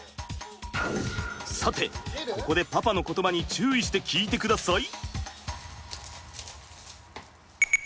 さてここでパパの言葉に注意して聞いてください。